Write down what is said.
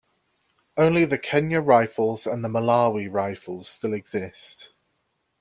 Only the Kenya Rifles and the Malawi Rifles still exist.